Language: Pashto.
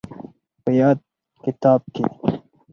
په ياد کتاب کې